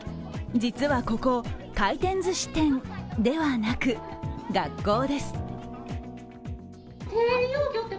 実はここ、回転ずし店ではなく学校です。